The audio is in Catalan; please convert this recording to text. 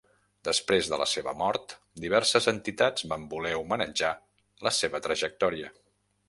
Després de la seva mort, diverses entitats van voler homenatjar la seva trajectòria.